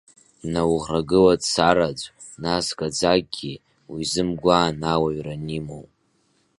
Днауӷрагыла дцар аӡә, нас гаӡакгьы, уизымгәаан, ауаҩра нимоу.